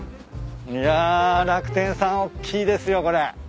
いや楽天さんおっきいですよこれ。